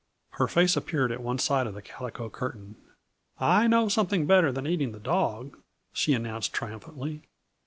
Her face appeared at one side of the calico curtain. "I know something better than eating the dog," she announced triumphantly.